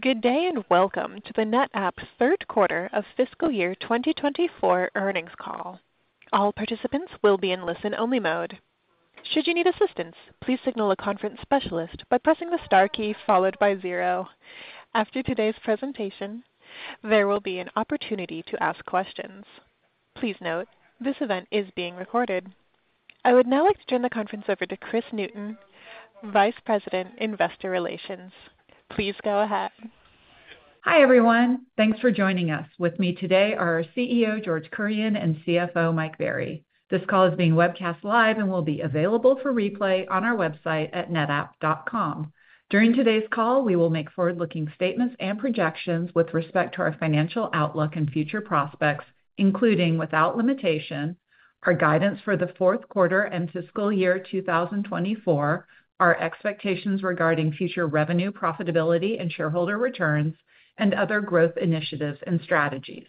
Good day and welcome to the NetApp Third Quarter of Fiscal Year 2024 Earnings Call. All participants will be in listen-only mode. Should you need assistance, please signal a conference specialist by pressing the star key followed by zero. After today's presentation, there will be an opportunity to ask questions. Please note, this event is being recorded. I would now like to turn the conference over to Kris Newton, Vice President Investor Relations. Please go ahead. Hi everyone. Thanks for joining us. With me today are our CEO, George Kurian, and CFO, Mike Berry. This call is being webcast live and will be available for replay on our website at netapp.com. During today's call, we will make forward-looking statements and projections with respect to our financial outlook and future prospects, including without limitation, our guidance for the fourth quarter and fiscal year 2024, our expectations regarding future revenue, profitability, and shareholder returns, and other growth initiatives and strategies.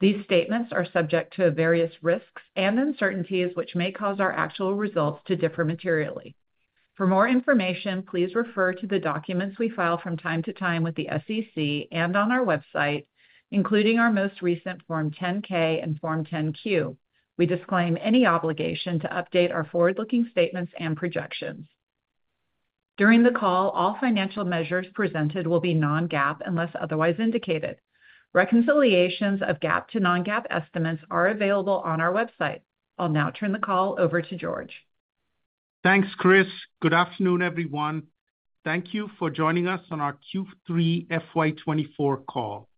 These statements are subject to various risks and uncertainties which may cause our actual results to differ materially. For more information, please refer to the documents we file from time to time with the SEC and on our website, including our most recent Form 10-K and Form 10-Q. We disclaim any obligation to update our forward-looking statements and projections. During the call, all financial measures presented will be non-GAAP unless otherwise indicated. Reconciliations of GAAP to non-GAAP estimates are available on our website. I'll now turn the call over to George. Thanks, Kris. Good afternoon, everyone. Thank you for joining us on our Q3 FY24 call.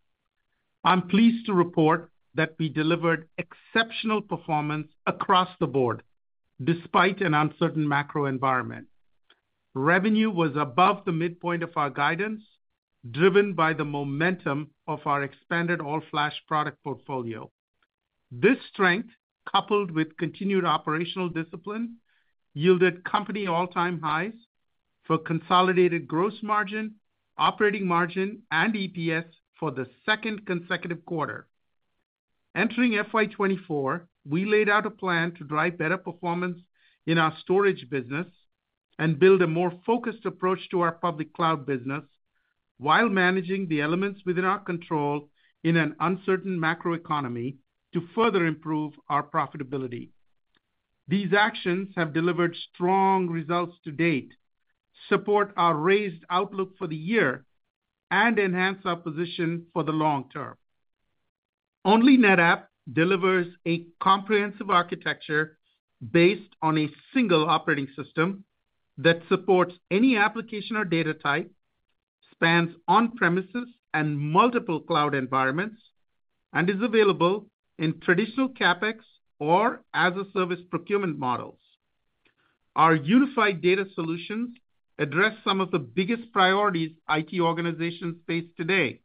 I'm pleased to report that we delivered exceptional performance across the board despite an uncertain macro environment. Revenue was above the midpoint of our guidance, driven by the momentum of our expanded all-flash product portfolio. This strength, coupled with continued operational discipline, yielded company all-time highs for consolidated gross margin, operating margin, and EPS for the second consecutive quarter. Entering FY24, we laid out a plan to drive better performance in our storage business and build a more focused approach to our public cloud business while managing the elements within our control in an uncertain macroeconomy to further improve our profitability. These actions have delivered strong results to date, support our raised outlook for the year, and enhance our position for the long term. Only NetApp delivers a comprehensive architecture based on a single operating system that supports any application or data type, spans on-premises and multiple cloud environments, and is available in traditional CapEx or as-a-service procurement models. Our unified data solutions address some of the biggest priorities IT organizations face today: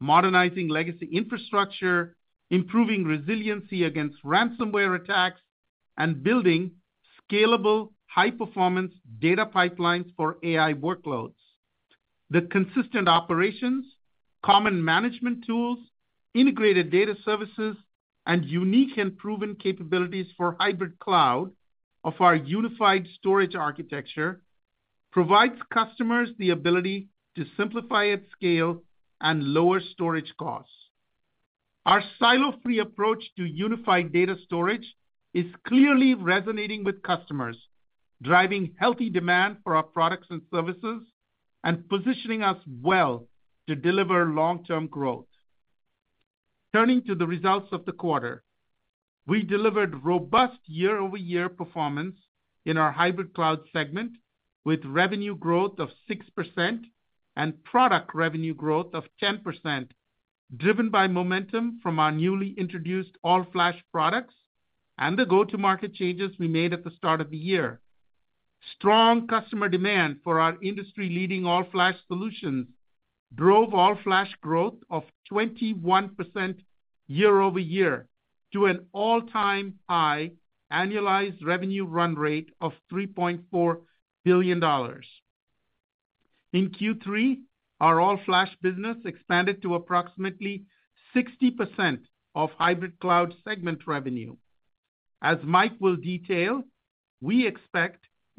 modernizing legacy infrastructure, improving resiliency against ransomware attacks, and building scalable, high-performance data pipelines for AI workloads. The consistent operations, common management tools, integrated data services, and unique and proven capabilities for hybrid cloud of our unified storage architecture provide customers the ability to simplify at scale and lower storage costs. Our silo-free approach to unified data storage is clearly resonating with customers, driving healthy demand for our products and services, and positioning us well to deliver long-term growth. Turning to the results of the quarter, we delivered robust year-over-year performance in our hybrid cloud segment with revenue growth of 6% and product revenue growth of 10%, driven by momentum from our newly introduced all-flash products and the go-to-market changes we made at the start of the year. Strong customer demand for our industry-leading all-flash solutions drove all-flash growth of 21% year-over-year to an all-time high annualized revenue run rate of $3.4 billion. In Q3, our all-flash business expanded to approximately 60% of hybrid cloud segment revenue. As Mike will detail, we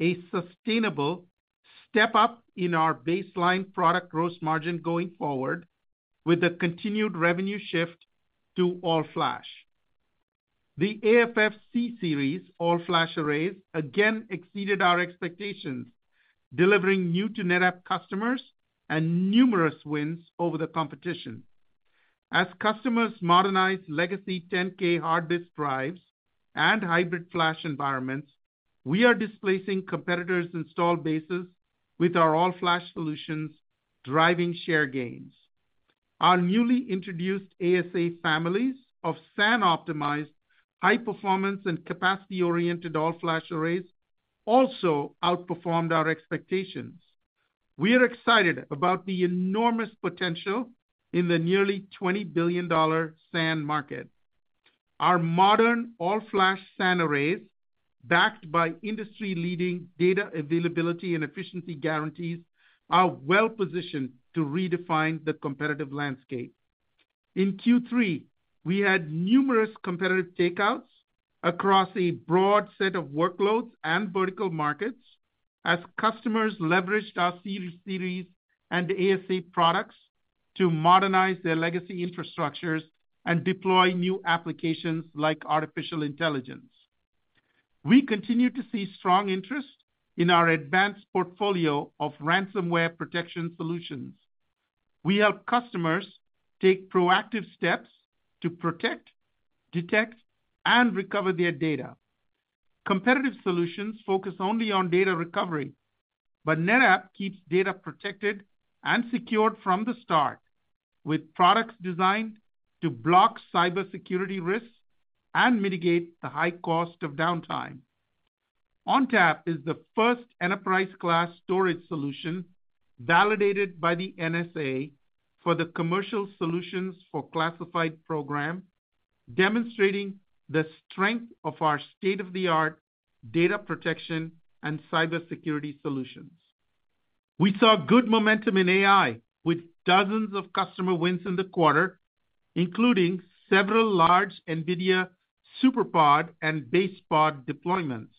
expect a sustainable step-up in our baseline product gross margin going forward with a continued revenue shift to all-flash. The AFF C-Series all-flash arrays again exceeded our expectations, delivering new-to-NetApp customers and numerous wins over the competition. As customers modernize legacy 10K hard disk drives and hybrid flash environments, we are displacing competitors' installed bases with our all-flash solutions driving share gains. Our newly introduced ASA families of SAN-optimized, high-performance, and capacity-oriented all-flash arrays also outperformed our expectations. We are excited about the enormous potential in the nearly $20 billion SAN market. Our modern all-flash SAN arrays, backed by industry-leading data availability and efficiency guarantees, are well-positioned to redefine the competitive landscape. In Q3, we had numerous competitive takeouts across a broad set of workloads and vertical markets as customers leveraged our C-Series and ASA products to modernize their legacy infrastructures and deploy new applications like artificial intelligence. We continue to see strong interest in our advanced portfolio of ransomware protection solutions. We help customers take proactive steps to protect, detect, and recover their data. Competitive solutions focus only on data recovery, but NetApp keeps data protected and secured from the start with products designed to block cybersecurity risks and mitigate the high cost of downtime. ONTAP is the first enterprise-class storage solution validated by the NSA for the Commercial Solutions for Classified Program, demonstrating the strength of our state-of-the-art data protection and cybersecurity solutions. We saw good momentum in AI with dozens of customer wins in the quarter, including several large NVIDIA SuperPOD and BasePOD deployments.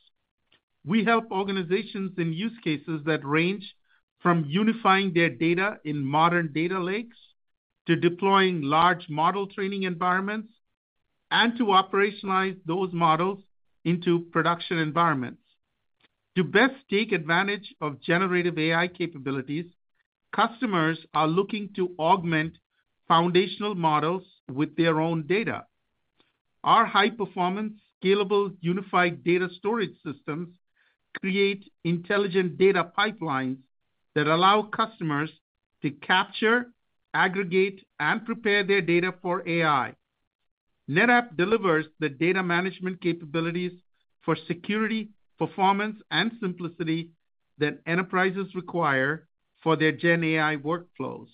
We help organizations in use cases that range from unifying their data in modern data lakes to deploying large model training environments and to operationalize those models into production environments. To best take advantage of generative AI capabilities, customers are looking to augment foundational models with their own data. Our high-performance, scalable, unified data storage systems create intelligent data pipelines that allow customers to capture, aggregate, and prepare their data for AI. NetApp delivers the data management capabilities for security, performance, and simplicity that enterprises require for their GenAI workflows.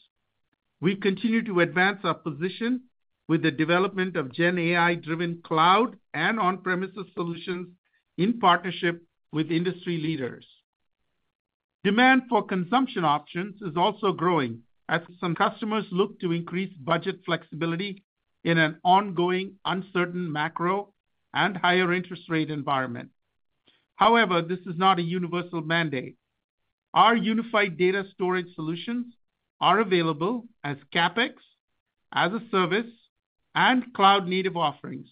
We continue to advance our position with the development of GenAI-driven cloud and on-premises solutions in partnership with industry leaders. Demand for consumption options is also growing as some customers look to increase budget flexibility in an ongoing uncertain macro and higher interest rate environment. However, this is not a universal mandate. Our unified data storage solutions are available as CapEx, as-a-service, and cloud-native offerings,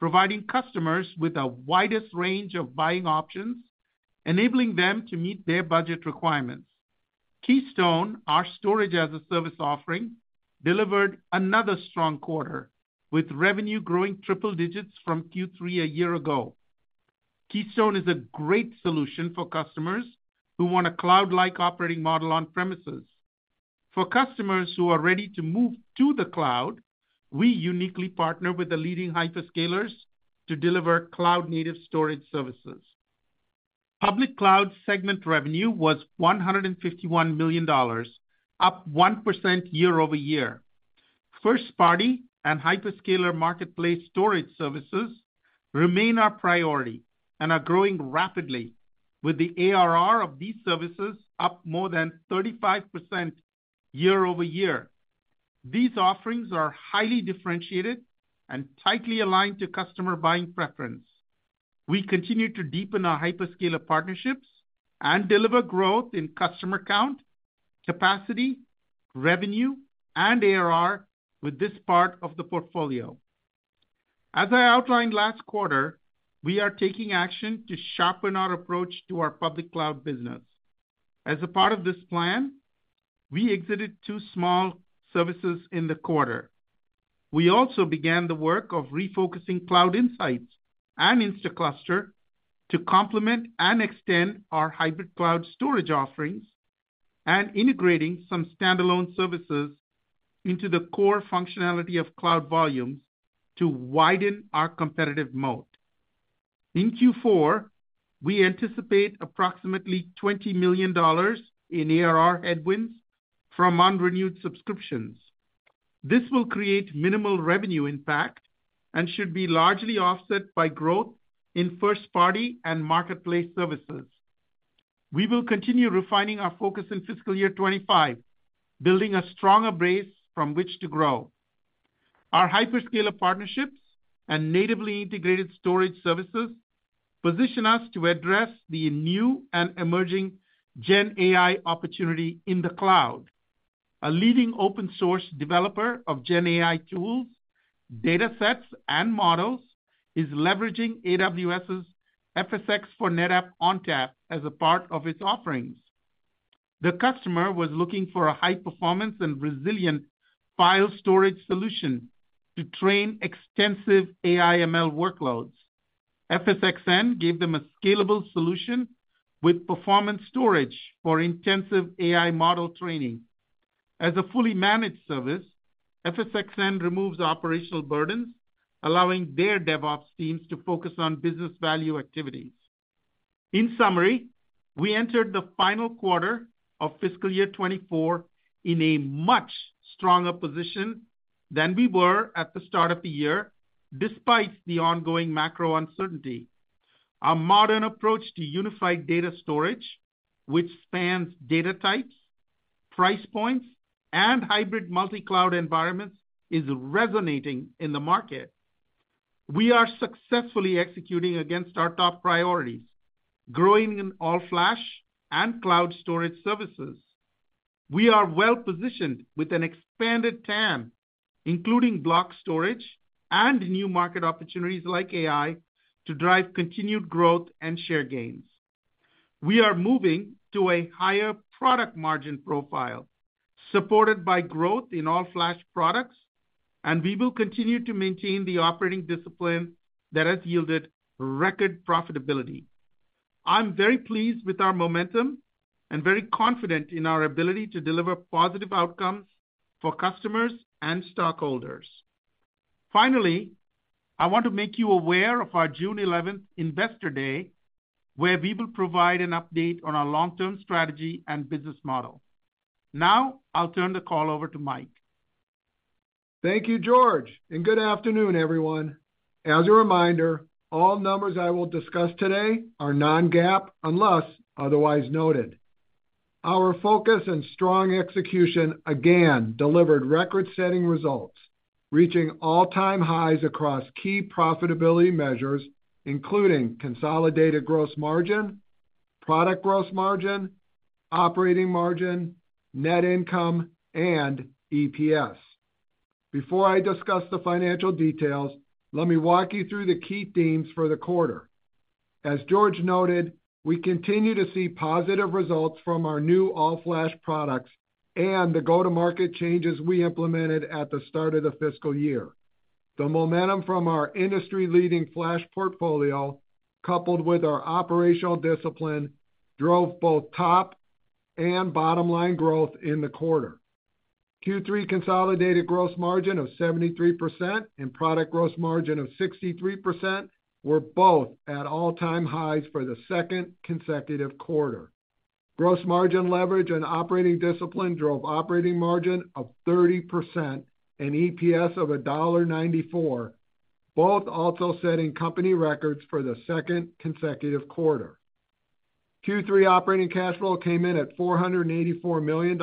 providing customers with a widest range of buying options, enabling them to meet their budget requirements. Keystone, our storage-as-a-service offering, delivered another strong quarter with revenue growing triple digits from Q3 a year ago. Keystone is a great solution for customers who want a cloud-like operating model on premises. For customers who are ready to move to the cloud, we uniquely partner with the leading hyperscalers to deliver cloud-native storage services. Public cloud segment revenue was $151 million, up 1% year-over-year. First-party and hyperscaler marketplace storage services remain our priority and are growing rapidly, with the ARR of these services up more than 35% year-over-year. These offerings are highly differentiated and tightly aligned to customer buying preference. We continue to deepen our hyperscaler partnerships and deliver growth in customer count, capacity, revenue, and ARR with this part of the portfolio. As I outlined last quarter, we are taking action to sharpen our approach to our public cloud business. As a part of this plan, we exited two small services in the quarter. We also began the work of refocusing Cloud Insights and Instaclustr to complement and extend our hybrid cloud storage offerings and integrating some standalone services into the core functionality of Cloud Volumes to widen our competitive moat. In Q4, we anticipate approximately $20 million in ARR headwinds from unrenewed subscriptions. This will create minimal revenue impact and should be largely offset by growth in first-party and marketplace services. We will continue refining our focus in fiscal year 2025, building a stronger base from which to grow. Our hyperscaler partnerships and natively integrated storage services position us to address the new and emerging GenAI opportunity in the cloud. A leading open-source developer of GenAI tools, datasets, and models is leveraging AWS's FSx for NetApp ONTAP as a part of its offerings. The customer was looking for a high-performance and resilient file storage solution to train extensive AI/ML workloads. FSxN gave them a scalable solution with performance storage for intensive AI model training. As a fully managed service, FSxN removes operational burdens, allowing their DevOps teams to focus on business value activities. In summary, we entered the final quarter of fiscal year 2024 in a much stronger position than we were at the start of the year despite the ongoing macro uncertainty. Our modern approach to unified data storage, which spans data types, price points, and hybrid multi-cloud environments, is resonating in the market. We are successfully executing against our top priorities, growing in all-flash and cloud storage services. We are well-positioned with an expanded TAM, including block storage and new market opportunities like AI, to drive continued growth and share gains. We are moving to a higher product margin profile, supported by growth in all-flash products, and we will continue to maintain the operating discipline that has yielded record profitability. I'm very pleased with our momentum and very confident in our ability to deliver positive outcomes for customers and stockholders. Finally, I want to make you aware of our June 11th Investor Day, where we will provide an update on our long-term strategy and business model. Now, I'll turn the call over to Mike. Thank you, George, and good afternoon, everyone. As a reminder, all numbers I will discuss today are non-GAAP unless otherwise noted. Our focus and strong execution again delivered record-setting results, reaching all-time highs across key profitability measures, including consolidated gross margin, product gross margin, operating margin, net income, and EPS. Before I discuss the financial details, let me walk you through the key themes for the quarter. As George noted, we continue to see positive results from our new all-flash products and the go-to-market changes we implemented at the start of the fiscal year. The momentum from our industry-leading flash portfolio, coupled with our operational discipline, drove both top and bottom-line growth in the quarter. Q3 consolidated gross margin of 73% and product gross margin of 63% were both at all-time highs for the second consecutive quarter. Gross margin leverage and operating discipline drove operating margin of 30% and EPS of $1.94, both also setting company records for the second consecutive quarter. Q3 operating cash flow came in at $484 million,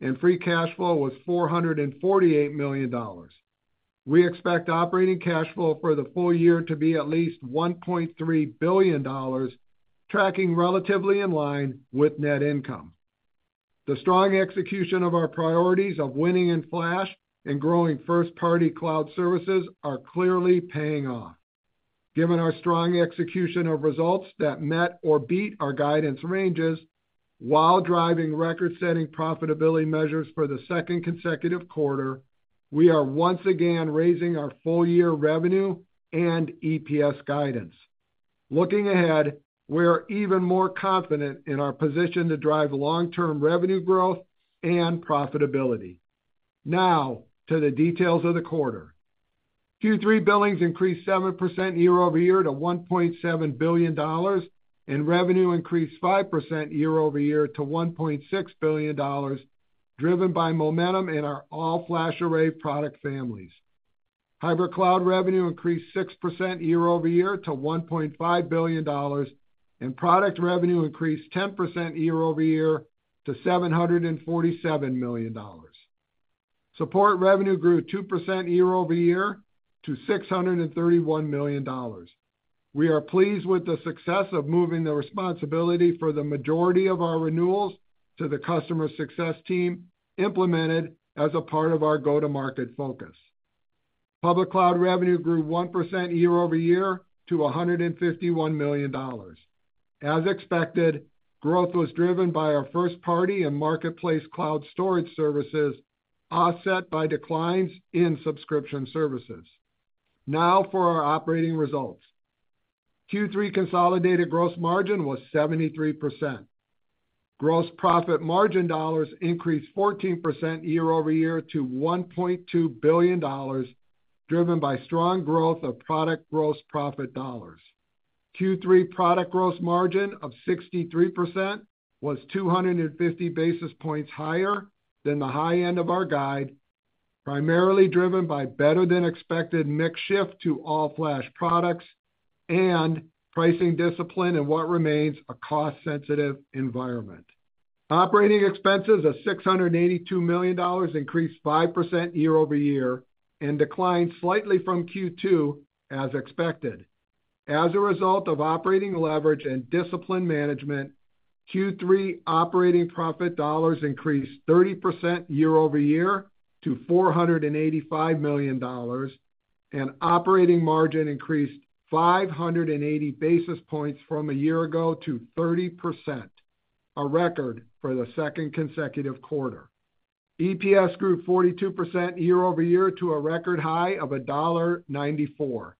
and free cash flow was $448 million. We expect operating cash flow for the full year to be at least $1.3 billion, tracking relatively in line with net income. The strong execution of our priorities of winning in flash and growing first-party cloud services are clearly paying off. Given our strong execution of results that met or beat our guidance ranges, while driving record-setting profitability measures for the second consecutive quarter, we are once again raising our full-year revenue and EPS guidance. Looking ahead, we are even more confident in our position to drive long-term revenue growth and profitability. Now, to the details of the quarter. Q3 billings increased 7% year-over-year to $1.7 billion, and revenue increased 5% year-over-year to $1.6 billion, driven by momentum in our all-flash array product families. Hybrid cloud revenue increased 6% year-over-year to $1.5 billion, and product revenue increased 10% year-over-year to $747 million. Support revenue grew 2% year-over-year to $631 million. We are pleased with the success of moving the responsibility for the majority of our renewals to the customer success team implemented as a part of our go-to-market focus. Public cloud revenue grew 1% year-over-year to $151 million. As expected, growth was driven by our first-party and marketplace cloud storage services offset by declines in subscription services. Now, for our operating results. Q3 consolidated gross margin was 73%. Gross profit margin dollars increased 14% year-over-year to $1.2 billion, driven by strong growth of product gross profit dollars. Q3 product gross margin of 63% was 250 basis points higher than the high end of our guide, primarily driven by better-than-expected mix shift to all-flash products and pricing discipline in what remains a cost-sensitive environment. Operating expenses of $682 million increased 5% year-over-year and declined slightly from Q2, as expected. As a result of operating leverage and discipline management, Q3 operating profit dollars increased 30% year-over-year to $485 million, and operating margin increased 580 basis points from a year ago to 30%, a record for the second consecutive quarter. EPS grew 42% year-over-year to a record high of $1.94.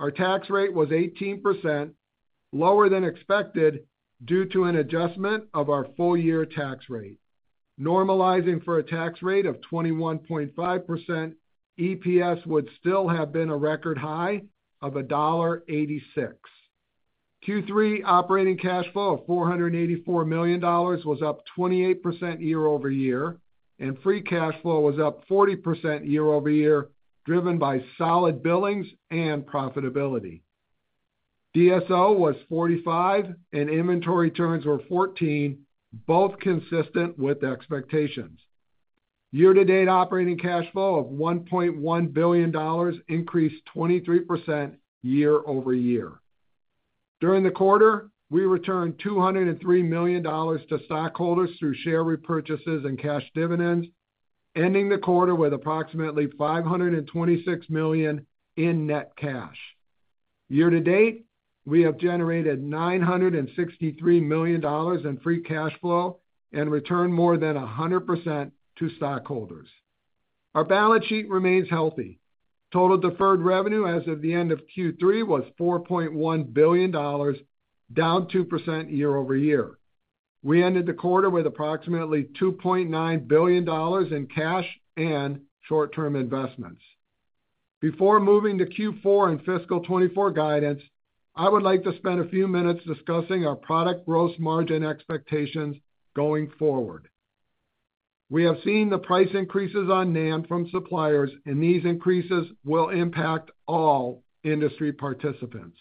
Our tax rate was 18%, lower than expected due to an adjustment of our full-year tax rate. Normalizing for a tax rate of 21.5%, EPS would still have been a record high of $1.86. Q3 operating cash flow of $484 million was up 28% year-over-year, and free cash flow was up 40% year-over-year, driven by solid billings and profitability. DSO was 45, and inventory turns were 14, both consistent with expectations. Year-to-date operating cash flow of $1.1 billion increased 23% year-over-year. During the quarter, we returned $203 million to stockholders through share repurchases and cash dividends, ending the quarter with approximately $526 million in net cash. Year-to-date, we have generated $963 million in free cash flow and returned more than 100% to stockholders. Our balance sheet remains healthy. Total deferred revenue as of the end of Q3 was $4.1 billion, down 2% year-over-year. We ended the quarter with approximately $2.9 billion in cash and short-term investments. Before moving to Q4 and fiscal 2024 guidance, I would like to spend a few minutes discussing our product gross margin expectations going forward. We have seen the price increases on NAND from suppliers, and these increases will impact all industry participants.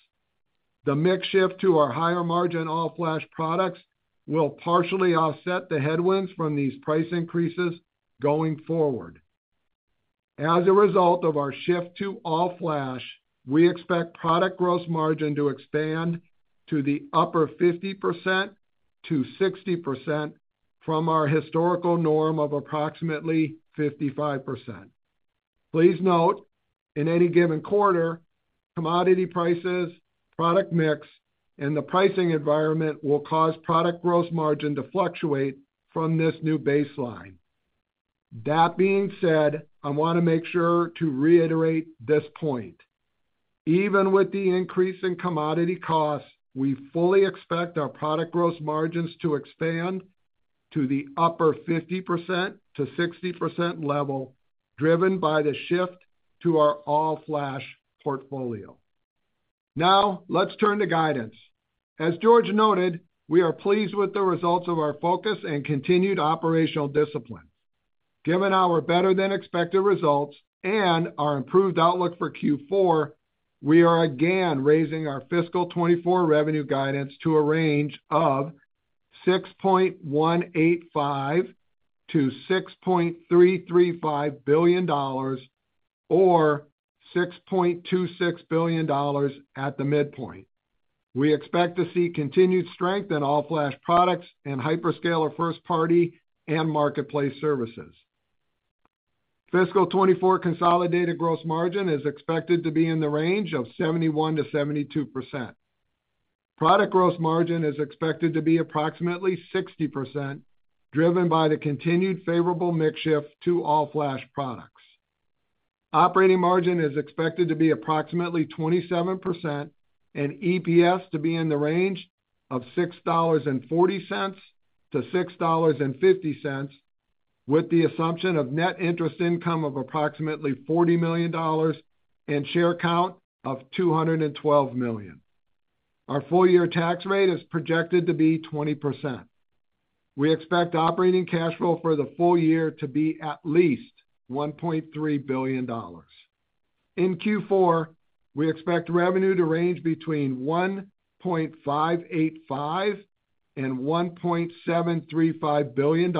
The mix shift to our higher-margin all-flash products will partially offset the headwinds from these price increases going forward. As a result of our shift to all-flash, we expect product gross margin to expand to the upper 50%-60% from our historical norm of approximately 55%. Please note, in any given quarter, commodity prices, product mix, and the pricing environment will cause product gross margin to fluctuate from this new baseline. That being said, I want to make sure to reiterate this point. Even with the increase in commodity costs, we fully expect our product gross margins to expand to the upper 50%-60% level, driven by the shift to our all-flash portfolio. Now, let's turn to guidance. As George noted, we are pleased with the results of our focus and continued operational discipline. Given our better-than-expected results and our improved outlook for Q4, we are again raising our fiscal 2024 revenue guidance to a range of $6.185 billion-$6.335 billion, or $6.26 billion at the midpoint. We expect to see continued strength in all-flash products and hyperscaler first-party and marketplace services. Fiscal 2024 consolidated gross margin is expected to be in the range of 71%-72%. Product gross margin is expected to be approximately 60%, driven by the continued favorable mix shift to all-flash products. Operating margin is expected to be approximately 27%, and EPS to be in the range of $6.40-$6.50, with the assumption of net interest income of approximately $40 million and share count of $212 million. Our full-year tax rate is projected to be 20%. We expect operating cash flow for the full year to be at least $1.3 billion. In Q4, we expect revenue to range between $1.585 billion-$1.735 billion,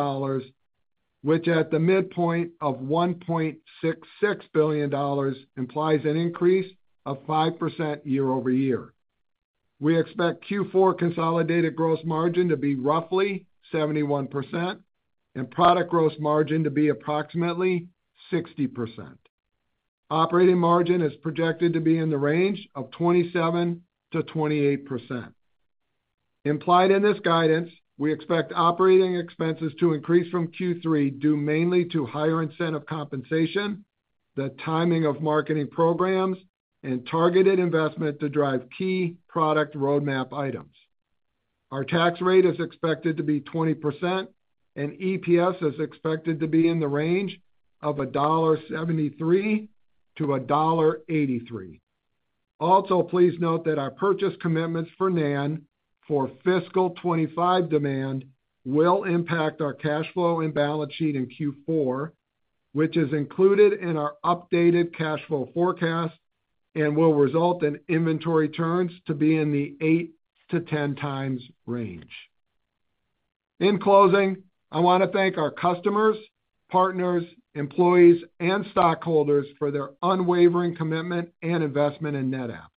which at the midpoint of $1.66 billion implies an increase of 5% year-over-year. We expect Q4 consolidated gross margin to be roughly 71% and product gross margin to be approximately 60%. Operating margin is projected to be in the range of 27%-28%. Implied in this guidance, we expect operating expenses to increase from Q3 due mainly to higher incentive compensation, the timing of marketing programs, and targeted investment to drive key product roadmap items. Our tax rate is expected to be 20%, and EPS is expected to be in the range of $1.73-$1.83. Also, please note that our purchase commitments for NAND for fiscal 2025 demand will impact our cash flow and balance sheet in Q4, which is included in our updated cash flow forecast and will result in inventory turns to be in the 8-10 times range. In closing, I want to thank our customers, partners, employees, and stockholders for their unwavering commitment and investment in NetApp.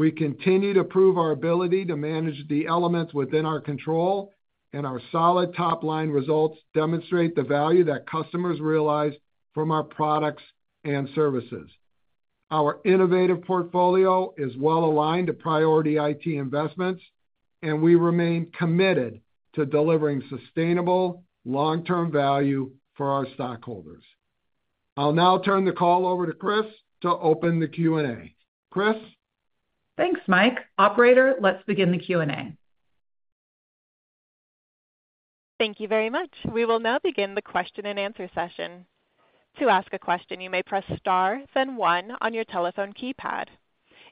We continue to prove our ability to manage the elements within our control, and our solid top-line results demonstrate the value that customers realize from our products and services. Our innovative portfolio is well aligned to priority IT investments, and we remain committed to delivering sustainable, long-term value for our stockholders. I'll now turn the call over to Kris to open the Q&A. Kris? Thanks, Mike. Operator, let's begin the Q&A. Thank you very much. We will now begin the Q&A session. To ask a question, you may press star then one on your telephone keypad.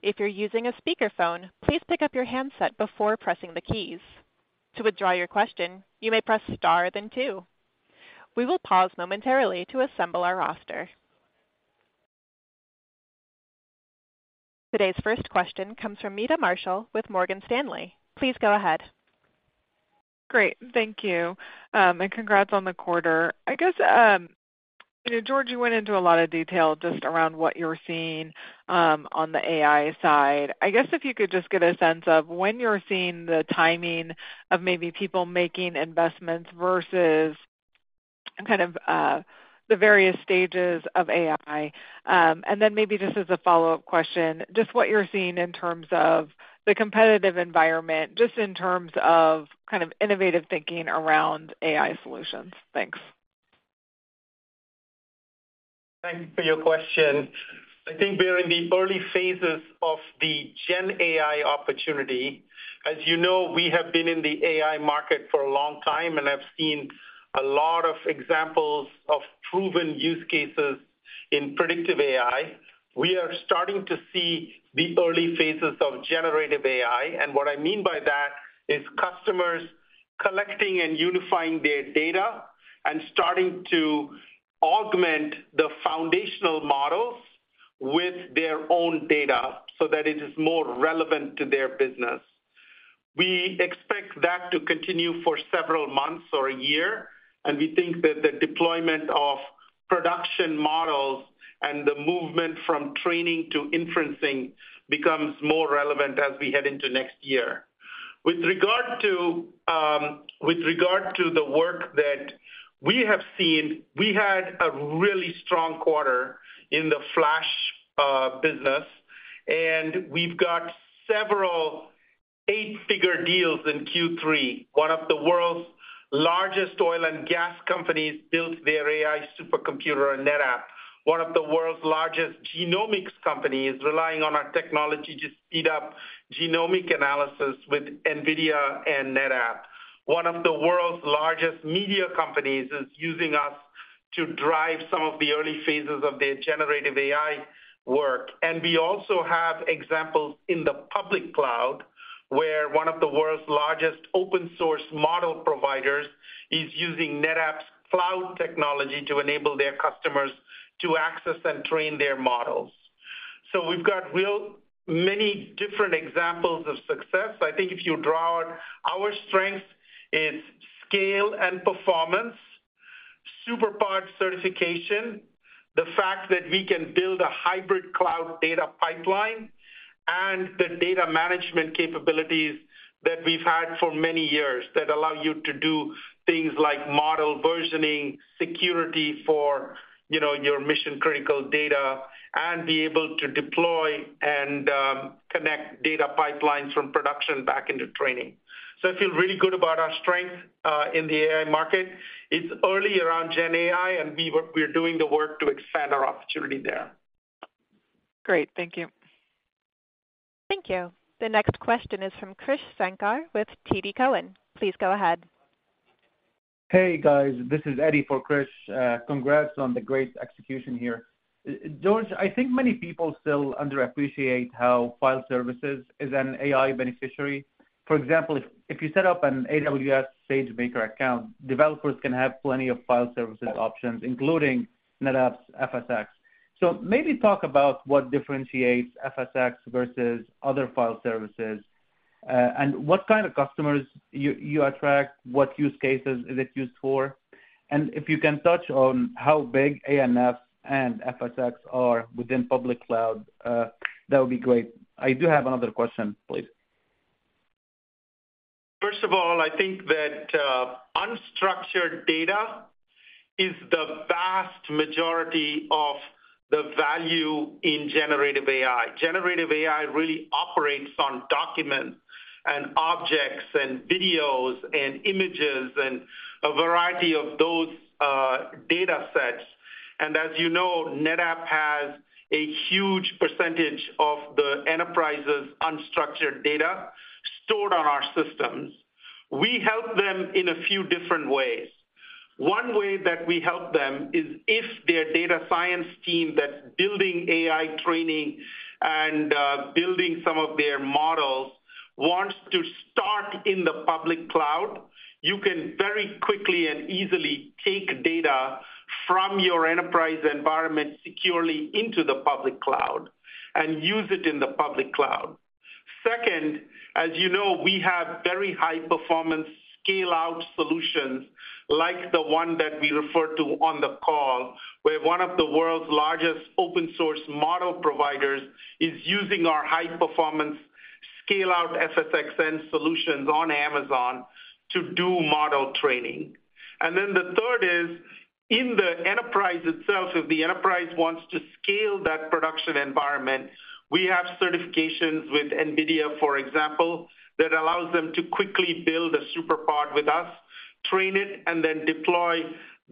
If you're using a speakerphone, please pick up your handset before pressing the keys. To withdraw your question, you may press star then two. We will pause momentarily to assemble our roster. Today's first question comes from Meta Marshall with Morgan Stanley. Please go ahead. Great. Thank you. And congrats on the quarter. I guess, you know, George, you went into a lot of detail just around what you're seeing on the AI side. I guess if you could just get a sense of when you're seeing the timing of maybe people making investments versus kind of the various stages of AI. And then maybe just as a follow-up question, just what you're seeing in terms of the competitive environment, just in terms of kind of innovative thinking around AI solutions. Thanks. Thank you for your question. I think we're in the early phases of the Gen AI opportunity. As you know, we have been in the AI market for a long time, and I've seen a lot of examples of proven use cases in predictive AI. We are starting to see the early phases of generative AI, and what I mean by that is customers collecting and unifying their data and starting to augment the foundational models with their own data so that it is more relevant to their business. We expect that to continue for several months or a year, and we think that the deployment of production models and the movement from training to inferencing becomes more relevant as we head into next year. With regard to the work that we have seen, we had a really strong quarter in the flash business, and we've got several eight-figure deals in Q3. One of the world's largest oil and gas companies built their AI supercomputer on NetApp. One of the world's largest genomics companies relying on our technology to speed up genomic analysis with NVIDIA and NetApp. One of the world's largest media companies is using us to drive some of the early phases of their generative AI work. And we also have examples in the public cloud where one of the world's largest open-source model providers is using NetApp's cloud technology to enable their customers to access and train their models. So we've got real many different examples of success. I think if you draw out our strengths, it's scale and performance, SuperPOD certification, the fact that we can build a hybrid cloud data pipeline, and the data management capabilities that we've had for many years that allow you to do things like model versioning, security for, you know, your mission-critical data, and be able to deploy and, connect data pipelines from production back into training. So I feel really good about our strength, in the AI market. It's early around GenAI, and we're doing the work to expand our opportunity there. Great. Thank you. Thank you. The next question is from Krish Sankar with TD Cowen. Please go ahead. Hey, guys. This is Eddie for Krish. Congrats on the great execution here. George, I think many people still underappreciate how file services is an AI beneficiary. For example, if you set up an AWS SageMaker account, developers can have plenty of file services options, including NetApp's FSx. So maybe talk about what differentiates FSx versus other file services, and what kind of customers you attract, what use cases is it used for. And if you can touch on how big ANF and FSx are within public cloud, that would be great. I do have another question, please. First of all, I think that unstructured data is the vast majority of the value in generative AI. Generative AI really operates on documents and objects and videos and images and a variety of those data sets. And as you know, NetApp has a huge percentage of the enterprise's unstructured data stored on our systems. We help them in a few different ways. One way that we help them is if their data science team that's building AI training and building some of their models wants to start in the public cloud, you can very quickly and easily take data from your enterprise environment securely into the public cloud and use it in the public cloud. Second, as you know, we have very high-performance scale-out solutions like the one that we referred to on the call, where one of the world's largest open-source model providers is using our high-performance scale-out FSxN solutions on Amazon to do model training. And then the third is, in the enterprise itself, if the enterprise wants to scale that production environment, we have certifications with NVIDIA, for example, that allows them to quickly build a SuperPOD with us, train it, and then deploy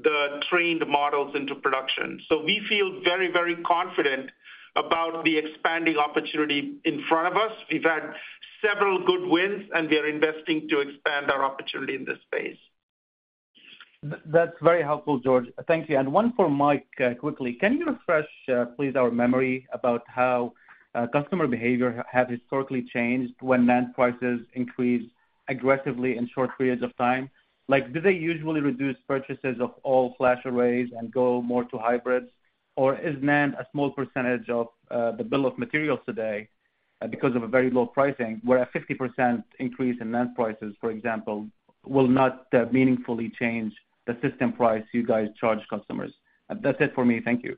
the trained models into production. So we feel very, very confident about the expanding opportunity in front of us. We've had several good wins, and we are investing to expand our opportunity in this space. That's very helpful, George. Thank you. And one for Mike, quickly. Can you refresh, please, our memory about how customer behavior have historically changed when NAND prices increase aggressively in short periods of time? Like, do they usually reduce purchases of all-flash arrays and go more to hybrids? Or is NAND a small percentage of the bill of materials today, because of a very low pricing, where a 50% increase in NAND prices, for example, will not meaningfully change the system price you guys charge customers? That's it for me. Thank you.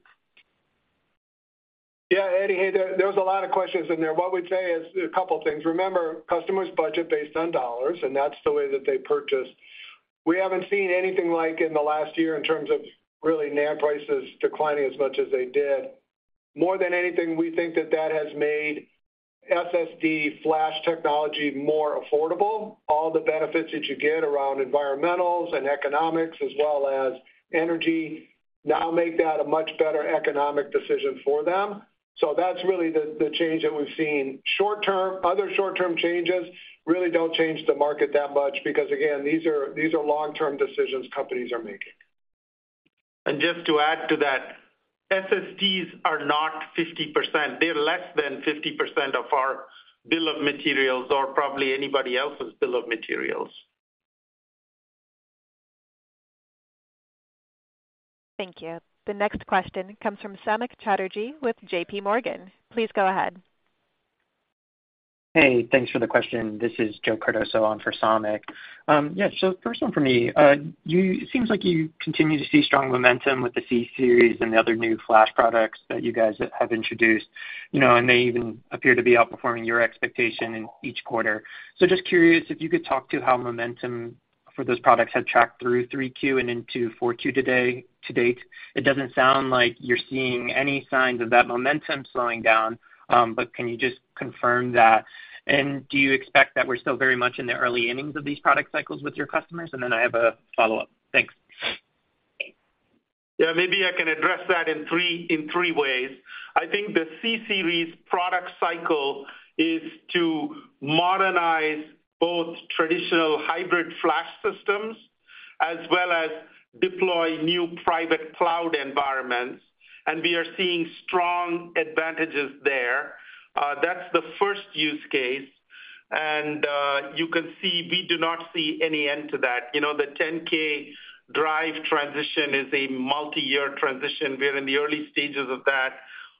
Yeah, Eddie. Hey, there was a lot of questions in there. What we'd say is a couple of things. Remember, customers budget based on dollars, and that's the way that they purchase. We haven't seen anything like in the last year in terms of really NAND prices declining as much as they did. More than anything, we think that that has made SSD flash technology more affordable. All the benefits that you get around environmentals and economics, as well as energy, now make that a much better economic decision for them. So that's really the change that we've seen. Short-term other short-term changes really don't change the market that much because, again, these are these are long-term decisions companies are making. And just to add to that, SSDs are not 50%. They're less than 50% of our bill of materials or probably anybody else's bill of materials. Thank you. The next question comes from Samik Chatterjee with JPMorgan. Please go ahead. Hey. Thanks for the question. This is Joe Cardoso on for Samik. Yeah, so first one from me. You seems like you continue to see strong momentum with the C-Series and the other new flash products that you guys have introduced, you know, and they even appear to be outperforming your expectation in each quarter. So just curious if you could talk to how momentum for those products had tracked through Q3 and into Q4 today to date. It doesn't sound like you're seeing any signs of that momentum slowing down, but can you just confirm that? And do you expect that we're still very much in the early innings of these product cycles with your customers? And then I have a follow-up. Thanks. Yeah, maybe I can address that in three in three ways. I think the C-Series product cycle is to modernize both traditional hybrid flash systems as well as deploy new private cloud environments. And we are seeing strong advantages there. That's the first use case. And, you can see we do not see any end to that. You know, the 10K drive transition is a multi-year transition. We're in the early stages of that.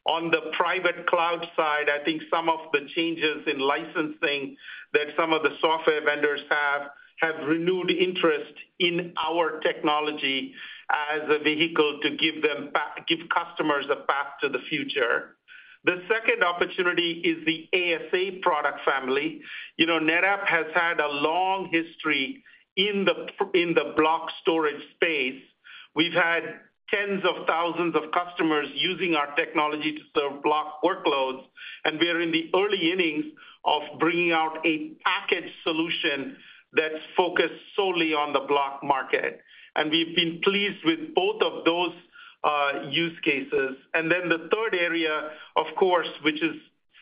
On the private cloud side, I think some of the changes in licensing that some of the software vendors have have renewed interest in our technology as a vehicle to give them give customers a path to the future. The second opportunity is the ASA product family. You know, NetApp has had a long history in the block storage space. We've had tens of thousands of customers using our technology to serve block workloads, and we are in the early innings of bringing out a packaged solution that's focused solely on the block market. We've been pleased with both of those use cases. The third area, of course, which is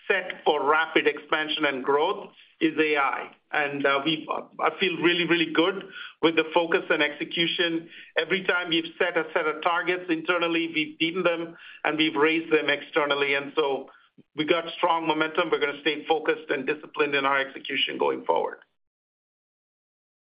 set for rapid expansion and growth, is AI. I feel really, really good with the focus and execution. Every time we've set a set of targets internally, we've beaten them, and we've raised them externally. We got strong momentum. We're gonna stay focused and disciplined in our execution going forward.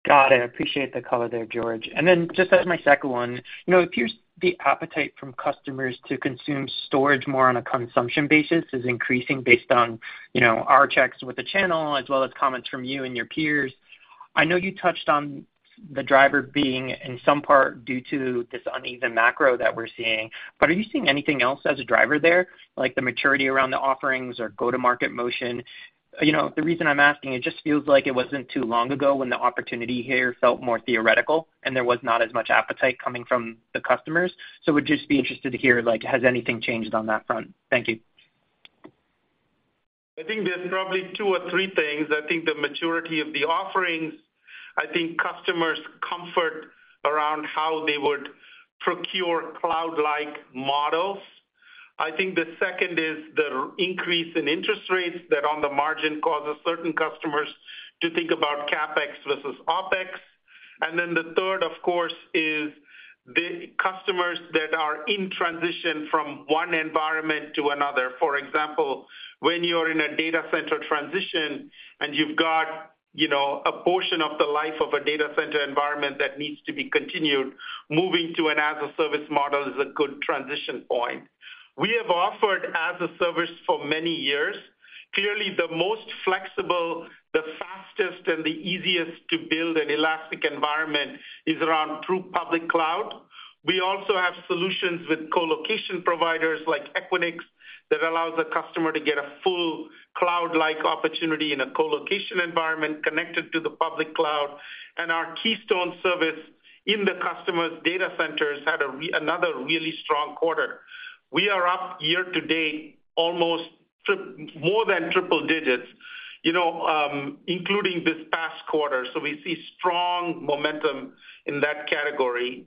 Got it. I appreciate the color there, George. And then just as my second one, you know, it appears the appetite from customers to consume storage more on a consumption basis is increasing based on, you know, our checks with the channel as well as comments from you and your peers. I know you touched on the driver being in some part due to this uneven macro that we're seeing, but are you seeing anything else as a driver there, like the maturity around the offerings or go-to-market motion? You know, the reason I'm asking, it just feels like it wasn't too long ago when the opportunity here felt more theoretical, and there was not as much appetite coming from the customers. So we'd just be interested to hear, like, has anything changed on that front? Thank you. I think there's probably two or three things. I think the maturity of the offerings. I think customers' comfort around how they would procure cloud-like models. I think the second is the recent increase in interest rates that on the margin causes certain customers to think about CapEx versus OpEx. And then the third, of course, is the customers that are in transition from one environment to another. For example, when you're in a data center transition and you've got, you know, a portion of the life of a data center environment that needs to be continued, moving to an as-a-service model is a good transition point. We have offered as-a-service for many years. Clearly, the most flexible, the fastest, and the easiest to build an elastic environment is around through public cloud. We also have solutions with colocation providers like Equinix that allows a customer to get a full cloud-like opportunity in a colocation environment connected to the public cloud. Our Keystone service in the customer's data centers had another really strong quarter. We are up year to date almost triple, more than triple digits, you know, including this past quarter. We see strong momentum in that category.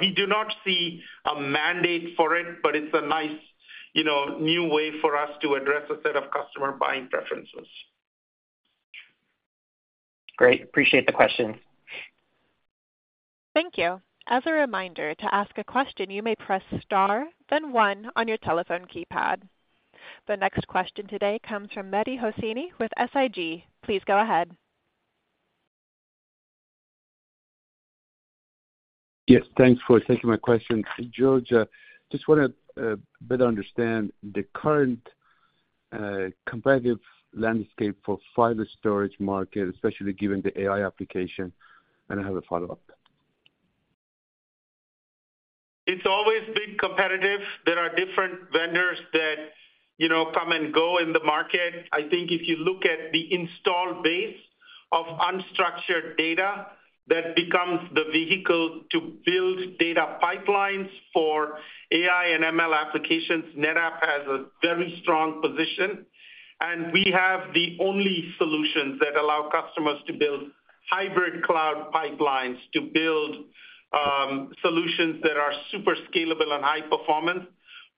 We do not see a mandate for it, but it's a nice, you know, new way for us to address a set of customer buying preferences. Great. Appreciate the questions. Thank you. As a reminder, to ask a question, you may press star, then one on your telephone keypad. The next question today comes from Mehdi Hosseini with SIG. Please go ahead. Yes. Thanks for taking my question. George, just wanna better understand the current competitive landscape for file storage market, especially given the AI application. I have a follow-up. It's always been competitive. There are different vendors that, you know, come and go in the market. I think if you look at the installed base of unstructured data, that becomes the vehicle to build data pipelines for AI and ML applications. NetApp has a very strong position. And we have the only solutions that allow customers to build hybrid cloud pipelines to build, solutions that are super scalable and high performance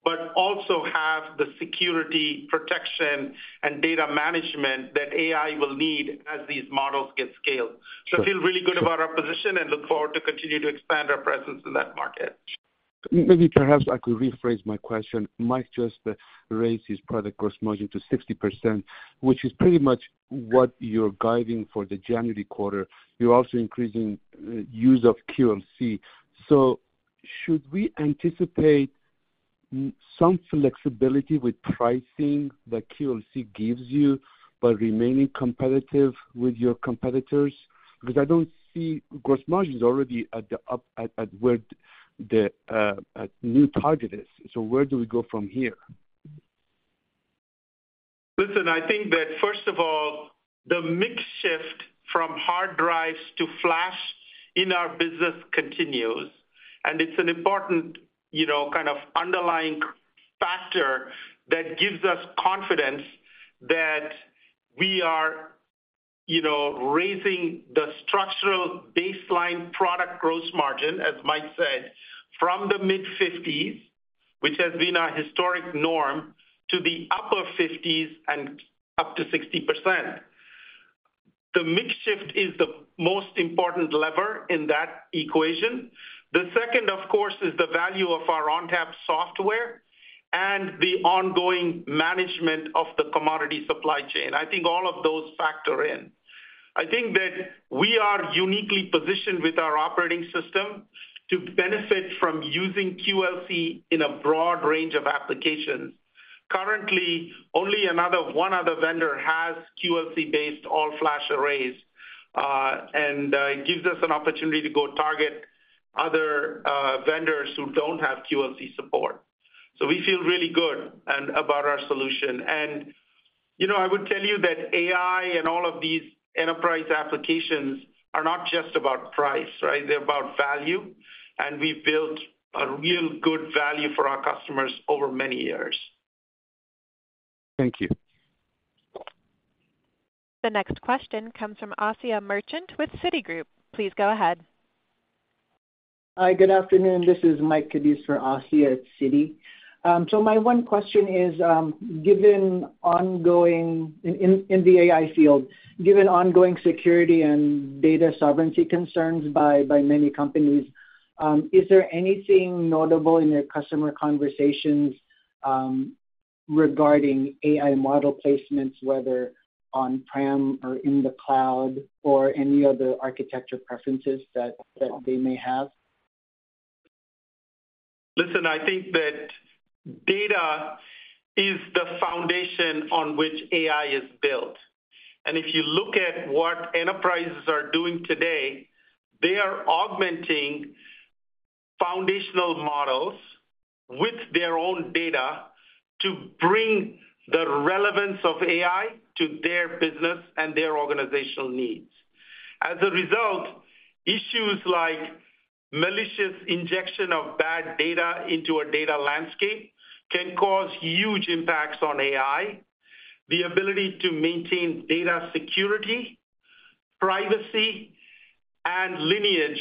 but also have the security, protection, and data management that AI will need as these models get scaled. So I feel really good about our position and look forward to continue to expand our presence in that market. Maybe perhaps I could rephrase my question. Mike just raised his product gross margin to 60%, which is pretty much what you're guiding for the January quarter. You're also increasing use of QLC. So should we anticipate some flexibility with pricing that QLC gives you but remaining competitive with your competitors? Because I don't see gross margin's already up at where the new target is. So where do we go from here? Listen, I think that, first of all, the mix shift from hard drives to flash in our business continues. It's an important, you know, kind of underlying factor that gives us confidence that we are, you know, raising the structural baseline product gross margin, as Mike said, from the mid-50s%, which has been our historic norm, to the upper 50s% and up to 60%. The mix shift is the most important lever in that equation. The second, of course, is the value of our ONTAP software and the ongoing management of the commodity supply chain. I think all of those factor in. I think that we are uniquely positioned with our operating system to benefit from using QLC in a broad range of applications. Currently, only one other vendor has QLC-based all-flash arrays, and it gives us an opportunity to go target other vendors who don't have QLC support. So we feel really good about our solution. And, you know, I would tell you that AI and all of these enterprise applications are not just about price, right? They're about value. And we've built a real good value for our customers over many years. Thank you. The next question comes from Asiya Merchant with Citigroup. Please go ahead. Hi. Good afternoon. This is Mike Cadiz for Asiya at Citi. So my one question is, given ongoing in the AI field, given ongoing security and data sovereignty concerns by many companies, is there anything notable in your customer conversations regarding AI model placements, whether on-prem or in the cloud or any other architecture preferences that they may have? Listen, I think that data is the foundation on which AI is built. And if you look at what enterprises are doing today, they are augmenting foundational models with their own data to bring the relevance of AI to their business and their organizational needs. As a result, issues like malicious injection of bad data into a data landscape can cause huge impacts on AI. The ability to maintain data security, privacy, and lineage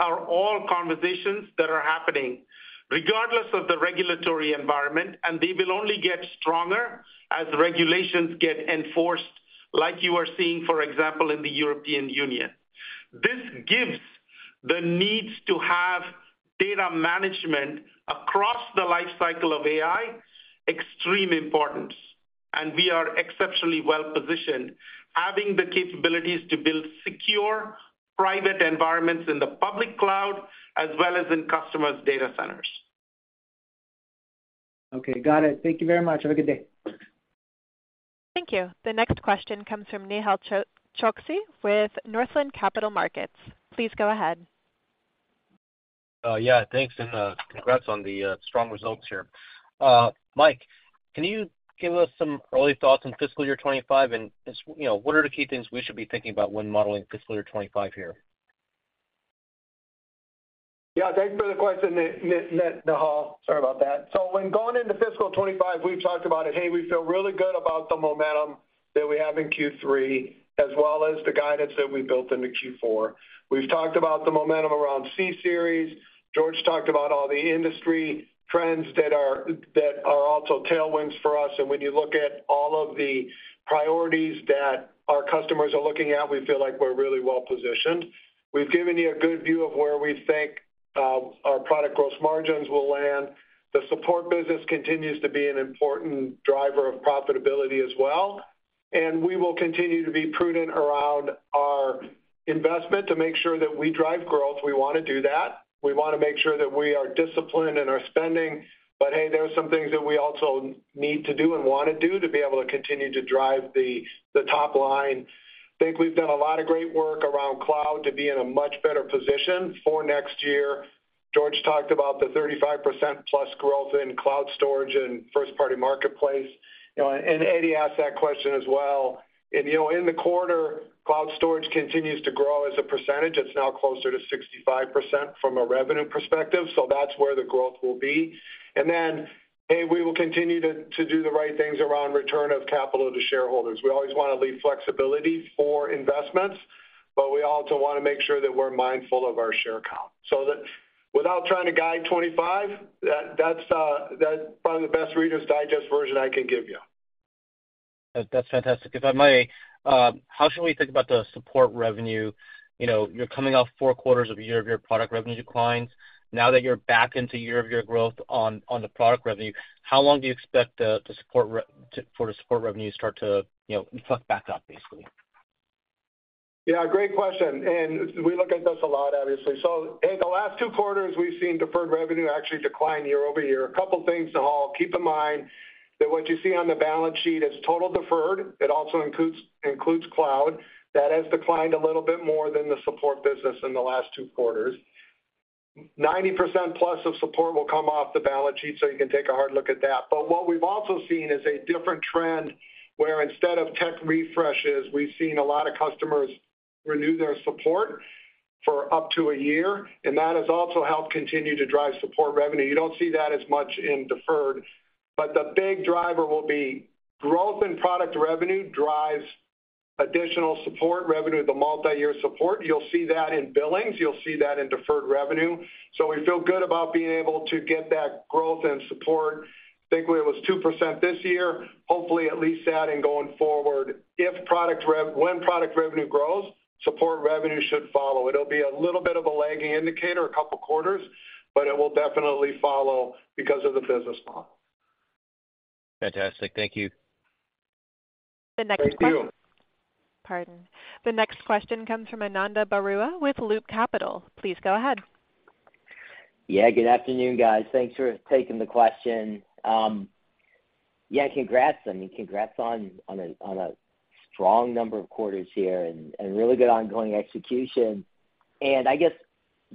are all conversations that are happening regardless of the regulatory environment. And they will only get stronger as regulations get enforced, like you are seeing, for example, in the European Union. This gives the needs to have data management across the lifecycle of AI extreme importance. And we are exceptionally well-positioned, having the capabilities to build secure private environments in the public cloud as well as in customers' data centers. Okay. Got it. Thank you very much. Have a good day. Thank you. The next question comes from Nehal Chokshi with Northland Capital Markets. Please go ahead. Yeah. Thanks. And congrats on the strong results here. Mike, can you give us some early thoughts on fiscal year 2025 and, and so you know, what are the key things we should be thinking about when modeling fiscal year 2025 here? Yeah. Thanks for the question, Nehal. Sorry about that. So when going into fiscal 2025, we've talked about it. Hey, we feel really good about the momentum that we have in Q3 as well as the guidance that we built into Q4. We've talked about the momentum around C-Series. George talked about all the industry trends that are also tailwinds for us. And when you look at all of the priorities that our customers are looking at, we feel like we're really well-positioned. We've given you a good view of where we think our product gross margins will land. The support business continues to be an important driver of profitability as well. And we will continue to be prudent around our investment to make sure that we drive growth. We wanna do that. We wanna make sure that we are disciplined in our spending. But, hey, there are some things that we also need to do and wanna do to be able to continue to drive the top line. I think we've done a lot of great work around cloud to be in a much better position for next year. George talked about the 35%-plus growth in cloud storage and first-party marketplace. You know, and Eddie asked that question as well. And, you know, in the quarter, cloud storage continues to grow as a percentage. It's now closer to 65% from a revenue perspective. So that's where the growth will be. And then, hey, we will continue to do the right things around return of capital to shareholders. We always wanna leave flexibility for investments, but we also wanna make sure that we're mindful of our share count. So that without trying to guide 2025, that's probably the best Reader's Digest version I can give you. That's fantastic. If I may, how should we think about the support revenue? You know, you're coming off four quarters of a year of your product revenue declines. Now that you're back into year-over-year growth on, on the product revenue, how long do you expect the, the support re to for the support revenue to start to, you know, tick back up, basically? Yeah. Great question. And we look at this a lot, obviously. So, hey, the last two quarters, we've seen deferred revenue actually decline year over year. A couple of things, Nehal. Keep in mind that what you see on the balance sheet is total deferred. It also includes cloud. That has declined a little bit more than the support business in the last two quarters. 90%-plus of support will come off the balance sheet, so you can take a hard look at that. But what we've also seen is a different trend where instead of tech refreshes, we've seen a lot of customers renew their support for up to a year. And that has also helped continue to drive support revenue. You don't see that as much in deferred. But the big driver will be growth in product revenue drives additional support revenue, the multi-year support. You'll see that in billings. You'll see that in deferred revenue. So we feel good about being able to get that growth and support. I think it was 2% this year. Hopefully, at least that and going forward, if product revenue when product revenue grows, support revenue should follow. It'll be a little bit of a lagging indicator a couple of quarters, but it will definitely follow because of the business model. Fantastic. Thank you. The next question. Thank you. Pardon. The next question comes from Ananda Baruah with Loop Capital. Please go ahead. Yeah. Good afternoon, guys. Thanks for taking the question. Yeah. Congrats, I mean, congrats on a strong number of quarters here and really good ongoing execution. I guess,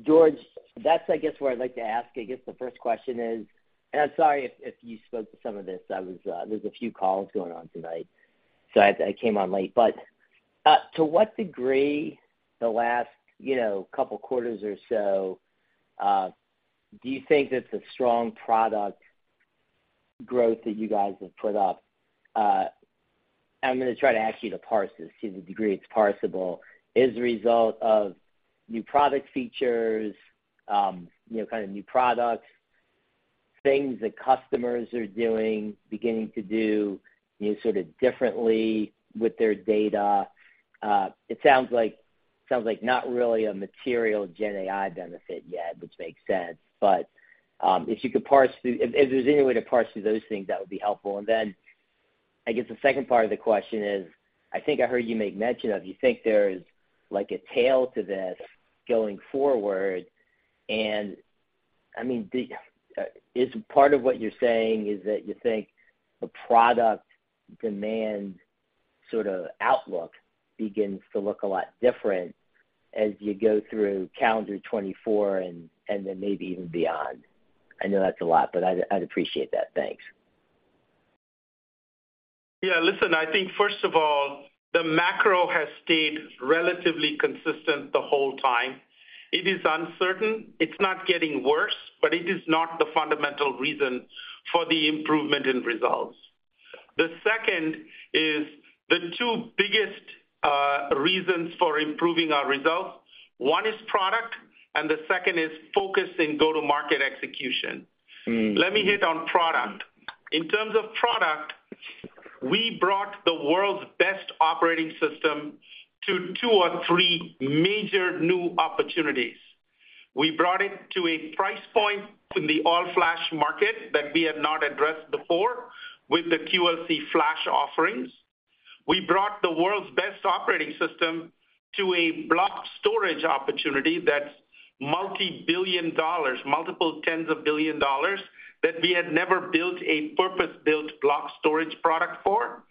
George, that's, I guess, where I'd like to ask. I guess the first question is, and I'm sorry if you spoke to some of this. I was, there's a few calls going on tonight, so I came on late. To what degree the last, you know, couple of quarters or so, do you think that the strong product growth that you guys have put up? I'm gonna try to ask you to parse this to the degree it's parsable as a result of new product features, you know, kind of new products, things that customers are doing, beginning to do, you know, sort of differently with their data. It sounds like sounds like not really a material GenAI benefit yet, which makes sense. But if you could parse through if, if there's any way to parse through those things, that would be helpful. And then I guess the second part of the question is I think I heard you make mention of you think there's, like, a tail to this going forward. And I mean, do y is part of what you're saying is that you think the product demand sort of outlook begins to look a lot different as you go through calendar 2024 and, and then maybe even beyond? I know that's a lot, but I'd appreciate that. Thanks. Yeah. Listen, I think, first of all, the macro has stayed relatively consistent the whole time. It is uncertain. It's not getting worse, but it is not the fundamental reason for the improvement in results. The second is the two biggest reasons for improving our results. One is product, and the second is focus in go-to-market execution. Let me hit on product. In terms of product, we brought the world's best operating system to two or three major new opportunities. We brought it to a price point in the all-flash market that we had not addressed before with the QLC flash offerings. We brought the world's best operating system to a block storage opportunity that's multi-billion dollars, multiple tens of billion dollars that we had never built a purpose-built block storage product for.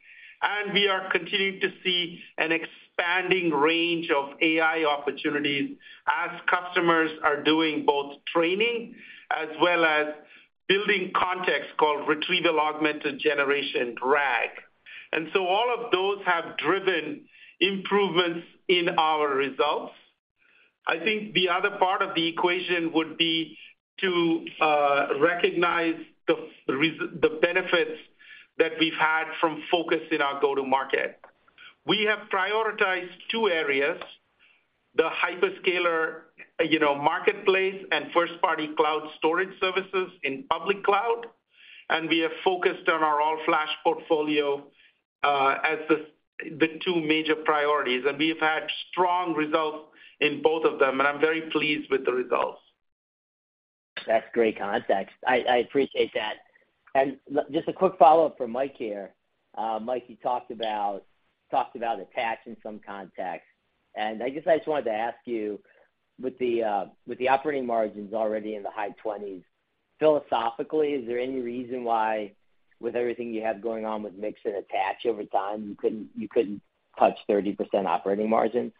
We are continuing to see an expanding range of AI opportunities as customers are doing both training as well as building context called retrieval-augmented generation RAG. So all of those have driven improvements in our results. I think the other part of the equation would be to recognize the benefits that we've had from focus in our go-to-market. We have prioritized two areas, the hyperscaler, you know, marketplace and first-party cloud storage services in public cloud. We have focused on our all-flash portfolio, as the two major priorities. We've had strong results in both of them. I'm very pleased with the results. That's great context. I appreciate that. And I just a quick follow-up from Mike here. Mike, you talked about the tax in some context. And I guess I just wanted to ask you, with the operating margins already in the high 20s, philosophically, is there any reason why, with everything you have going on with mix and attach over time, you couldn't touch 30% operating margins?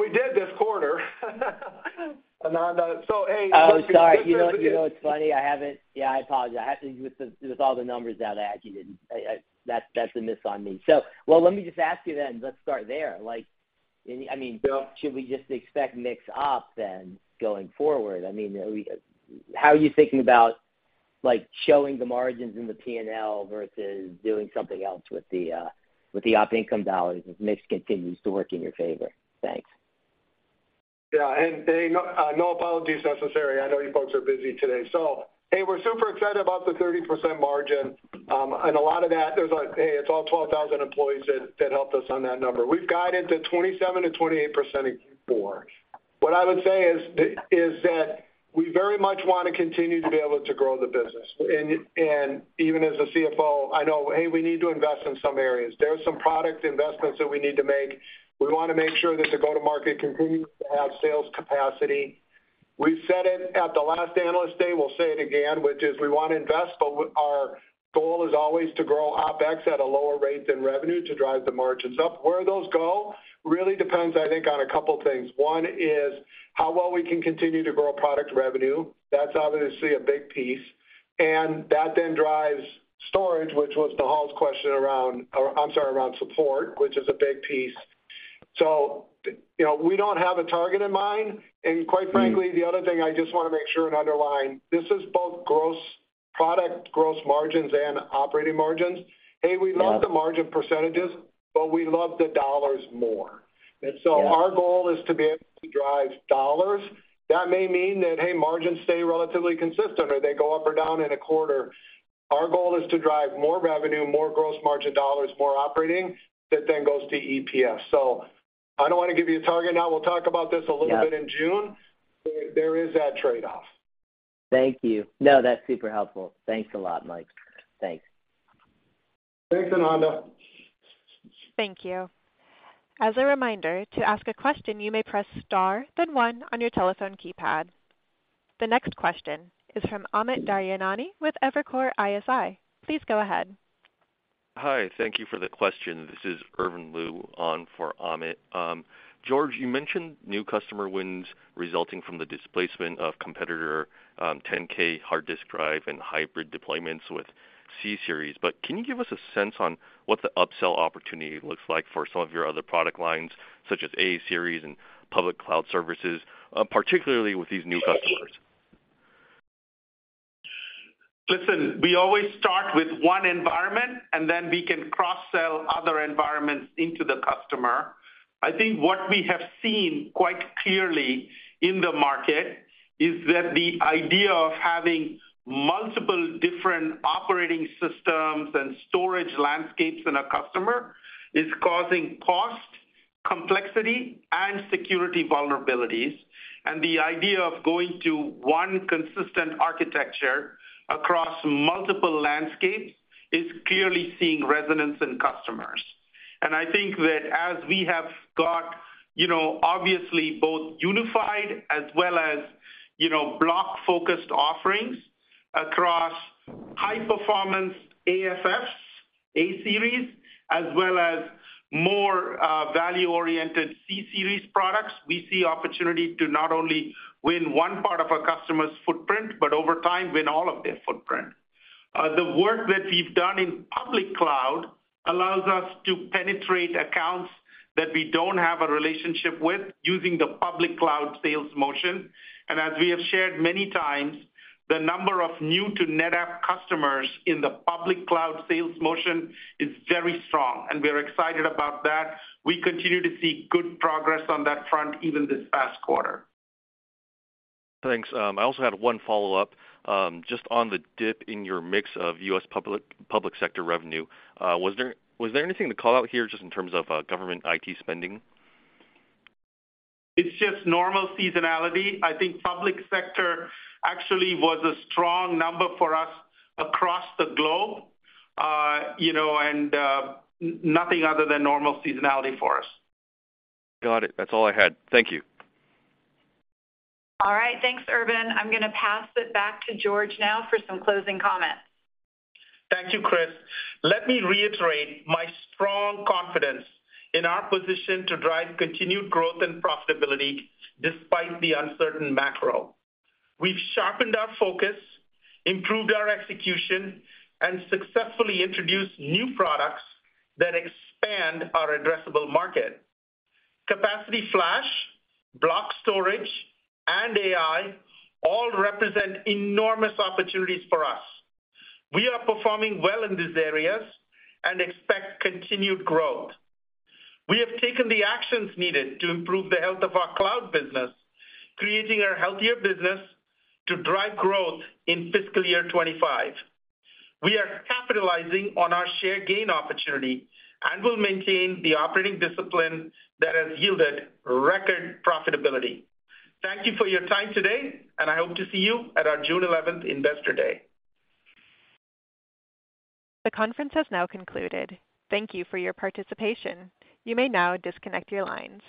We did this quarter, Ananda. Hey, looking at the. Oh, sorry. You know what's funny? I haven't. Yeah. I apologize. I had with all the numbers that I had. You didn't. I, that's a miss on me. So, well, let me just ask you then. Let's start there. Like, any. I mean. Yeah. Should we just expect mix ops then going forward? I mean, how are you thinking about, like, showing the margins in the P&L versus doing something else with the, with the op income dollars if mix continues to work in your favor? Thanks. Yeah. And, hey, no apologies necessary. I know you folks are busy today. So, hey, we're super excited about the 30% margin. And a lot of that there's a hey, it's all 12,000 employees that, that helped us on that number. We've got it to 27%-28% in Q4. What I would say is that we very much wanna continue to be able to grow the business. And, and even as a CFO, I know, hey, we need to invest in some areas. There are some product investments that we need to make. We wanna make sure that the go-to-market continues to have sales capacity. We've said it at the last analyst day. We'll say it again, which is we wanna invest, but our goal is always to grow OpEx at a lower rate than revenue to drive the margins up. Where those go really depends, I think, on a couple of things. One is how well we can continue to grow product revenue. That's obviously a big piece. And that then drives storage, which was Nehal's question around or I'm sorry, around support, which is a big piece. So, you know, we don't have a target in mind. And quite frankly, the other thing I just wanna make sure and underline, this is both gross product gross margins and operating margins. Hey, we love. Yeah. The margin percentages, but we love the dollars more. And so. Yeah. Our goal is to be able to drive dollars. That may mean that, hey, margins stay relatively consistent, or they go up or down in a quarter. Our goal is to drive more revenue, more gross margin dollars, more operating that then goes to EPS. So I don't wanna give you a target now. We'll talk about this a little bit. Yeah. In June. There is that trade-off. Thank you. No, that's super helpful. Thanks a lot, Mike. Thanks. Thanks, Ananda. Thank you. As a reminder, to ask a question, you may press star, then one, on your telephone keypad. The next question is from Amit Daryanani with Evercore ISI. Please go ahead. Hi. Thank you for the question. This is Irvin Liu on for Amit. George, you mentioned new customer wins resulting from the displacement of competitor, 10K hard disk drive and hybrid deployments with C-Series. But can you give us a sense on what the upsell opportunity looks like for some of your other product lines such as A-Series and public cloud services, particularly with these new customers? Listen, we always start with one environment, and then we can cross-sell other environments into the customer. I think what we have seen quite clearly in the market is that the idea of having multiple different operating systems and storage landscapes in a customer is causing cost, complexity, and security vulnerabilities. And the idea of going to one consistent architecture across multiple landscapes is clearly seeing resonance in customers. And I think that as we have got, you know, obviously both unified as well as, you know, block-focused offerings across high-performance AFF A-Series, as well as more value-oriented C-Series products, we see opportunity to not only win one part of a customer's footprint but over time win all of their footprint. The work that we've done in public cloud allows us to penetrate accounts that we don't have a relationship with using the public cloud sales motion. As we have shared many times, the number of new-to-NetApp customers in the public cloud sales motion is very strong. We are excited about that. We continue to see good progress on that front even this past quarter. Thanks. I also had one follow-up, just on the dip in your mix of U.S. public, public sector revenue. Was there anything to call out here just in terms of government IT spending? It's just normal seasonality. I think public sector actually was a strong number for us across the globe, you know, and nothing other than normal seasonality for us. Got it. That's all I had. Thank you. All right. Thanks, Irvin. I'm gonna pass it back to George now for some closing comments. Thank you, Kris. Let me reiterate my strong confidence in our position to drive continued growth and profitability despite the uncertain macro. We've sharpened our focus, improved our execution, and successfully introduced new products that expand our addressable market. Capacity flash, block storage, and AI all represent enormous opportunities for us. We are performing well in these areas and expect continued growth. We have taken the actions needed to improve the health of our cloud business, creating a healthier business to drive growth in fiscal year 2025. We are capitalizing on our share gain opportunity and will maintain the operating discipline that has yielded record profitability. Thank you for your time today, and I hope to see you at our June 11th Investor Day. The conference has now concluded. Thank you for your participation. You may now disconnect your lines.